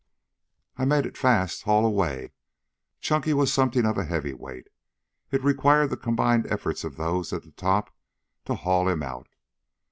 "I've made it fast. Haul away." Chunky was something of a heavy weight. It required the combined efforts of those at the top to haul him out.